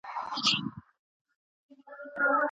ښوونځی باید مسلکي رواني مشاور ولري.